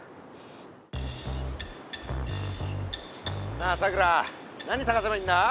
なあさくら何さがせばいいんだ？